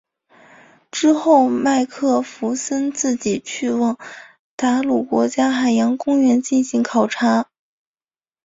之后麦克弗森自己去往达鲁国家海洋公园进行考察。